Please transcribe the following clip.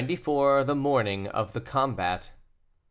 THE MORNING OF THE COMBAT.